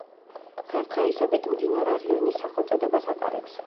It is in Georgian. დღესდღეობით მდინარე რიონის სახელწოდებას ატარებს.